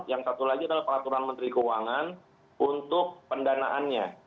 yang satu lagi adalah peraturan menteri keuangan untuk pendanaannya